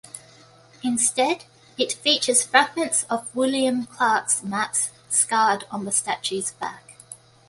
Instead, it features fragments of William Clark's maps "scarred" on the statue's back.